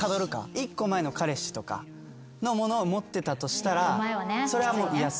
１個前の彼氏とかのものを持ってたとしたらそれはもう嫌っすね。